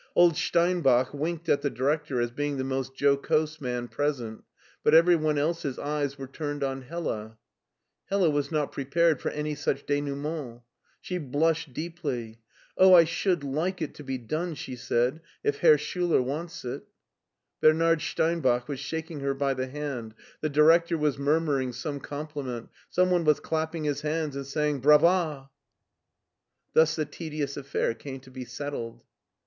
Old Stein bach winked at the director as being the most jocose man present, but every one else's eyes were turned on Hella. Hella was not prepared for any such denouement She blushed deeply. "Oh, I should like it to be done," she said, "if Herr Schiiler wants it" Bernard Steinbach was shaking her by the hand, the director was murmuring some compliment, some one was clapping his hands and saying " Brava !'* Thus the tedious affair came to be settled.